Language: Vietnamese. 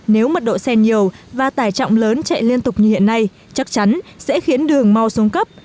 nếu mật độ xe nhiều và tải trọng lớn chạy liên tục như hiện nay chắc chắn sẽ khiến đường mau xuống cấp